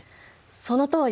そのとおり！